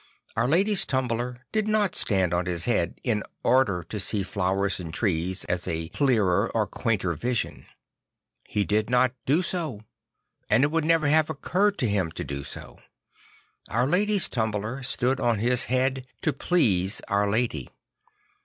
Our Lady's Tumbler did not stand on his head in order to see flowers and trees as a clearer or quainter vision. He did not do so ; and it would never have occurred to him to do so. Our Lady's Tumbler stood on his head to please Our Lady.